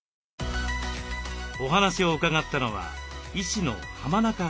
お話を伺ったのは医師の浜中聡子さん。